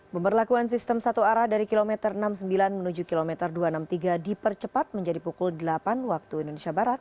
pemberlakuan sistem satu arah dari kilometer enam puluh sembilan menuju kilometer dua ratus enam puluh tiga dipercepat menjadi pukul delapan waktu indonesia barat